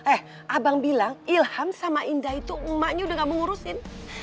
eh abang bilang ilham sama indah itu emaknya udah gak mengurusin